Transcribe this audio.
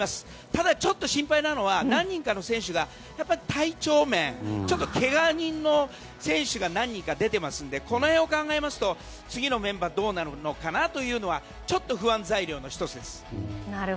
ただ、ちょっと心配なのは何人かの選手が体調面、ちょっとけが人の選手が何人か出ていますのでこの辺を考えますと次のメンバーどうなるのかなというのはちょっと不安材料の１つです。